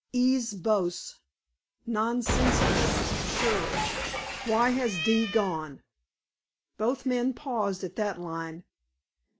"E.'s boasts? Nonsensical, surely!" "Why has D. gone?"_ Both men paused at that line.